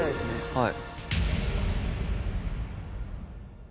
「はい。